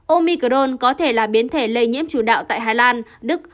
omicrone có thể là biến thể lây nhiễm chủ đạo tại hà lan đức